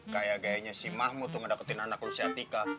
kayak kayanya si mahmud tuh ngedakutin anak lo si atika